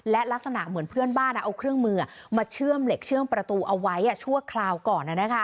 และลักษณะเหมือนเพื่อนบ้านเอาเครื่องมือมาเชื่อมเหล็กเชื่อมประตูเอาไว้ชั่วคราวก่อน